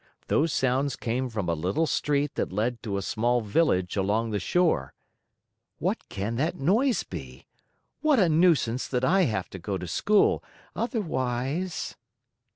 Those sounds came from a little street that led to a small village along the shore. "What can that noise be? What a nuisance that I have to go to school! Otherwise.